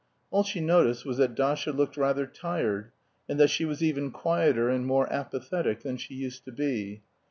All she noticed was that Dasha looked rather tired, and that she was even quieter and more apathetic than she used to be.